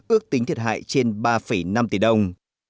ước tính thiệt hại trên ba năm tỷ đồng